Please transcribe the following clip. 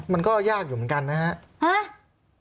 มันก็ยากอยู่เหมือนกันนะครับ